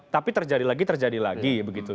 tapi terjadi lagi terjadi lagi begitu